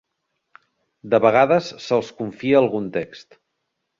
De vegades se'ls confia algun text.